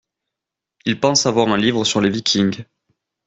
Il pense avoir un livre sur les Vikings.